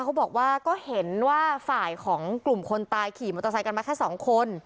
เขาบอกว่าก็เห็นว่าฝ่ายของกลุ่มคนตายขี่มอเตอร์ไซค์กันมาแค่สองคน